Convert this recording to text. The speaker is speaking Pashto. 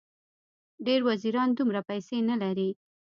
ډېر وزیران دومره پیسې نه لري.